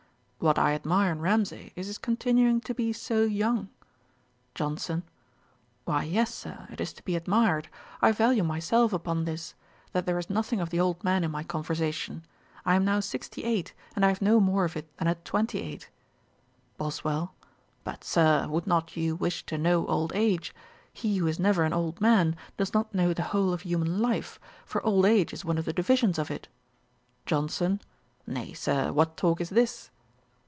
'What I admire in Ramsay, is his continuing to be so young.' JOHNSON. 'Why, yes, Sir, it is to be admired. I value myself upon this, that there is nothing of the old man in my conversation. I am now sixty eight, and I have no more of it than at twenty eight.' BOSWELL. 'But, Sir, would not you wish to know old age? He who is never an old man, does not know the whole of human life; for old age is one of the divisions of it.' JOHNSON. 'Nay, Sir, what talk is this?'